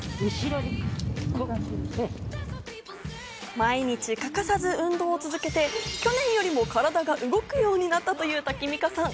毎日欠かさず運動を続けて去年よりも体が動くようになったというタキミカさん。